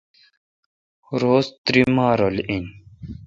روز تئری ماہ رل این